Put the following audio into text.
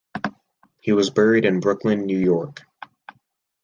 He was buried in Brooklyn, New York.